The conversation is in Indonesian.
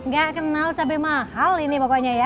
gak kenal cabai mahal ini pokoknya ya